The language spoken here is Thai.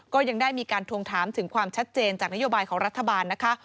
ก็ยังได้มีการทวงถามถึงความชัดเจนจากนโยบายของรัฐบาลนะคะ